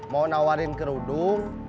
mau nawarin kerudung